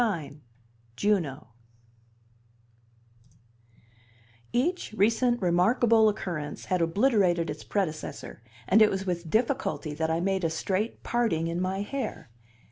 IX: Juno Each recent remarkable occurrence had obliterated its predecessor, and it was with difficulty that I made a straight parting in my hair.